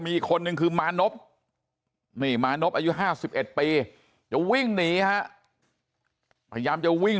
มีอีกคนนึงคือมานพนี่มานพอายุ๕๑ปีจะวิ่งหนีฮะพยายามจะวิ่ง